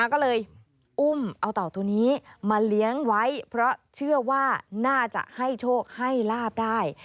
ก็เลยอุ้มเอาเต่าตัวนี้มาเลี้ยงไว้เพราะเชื่อว่าน่าจะให้โชคให้ลาบได้